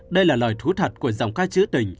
đây là lời thú thật của dòng ca chữ tình